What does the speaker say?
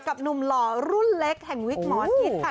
กับหนุ่มหลอด์รู้เล็กแห่งวิทย์หมอนนิจ